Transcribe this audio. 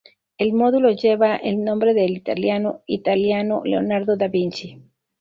El módulo lleva el nombre del italiano italiano Leonardo Da Vinci.